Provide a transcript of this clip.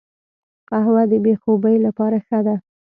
قهوه د بې خوبي لپاره ښه ده